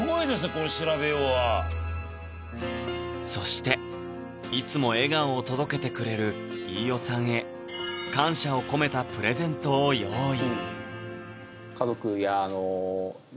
この調べようはそしていつも笑顔を届けてくれる飯尾さんへ感謝を込めたプレゼントを用意